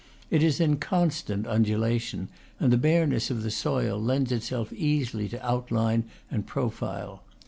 It is in constant undulation, and the bareness of the soil lends itself easily to outline and profile.